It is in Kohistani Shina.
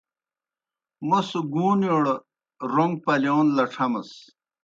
موْس گُوݨِیوڑ روݩگ پلِیون لڇھمَس۔